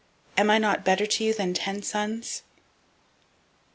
am I not better to you than ten sons?